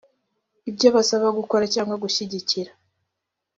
ibyo basaba gukora cyangwa gushyigikira